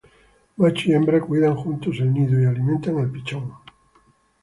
Macho y hembra cuidan juntos el nido y alimentan al pichón.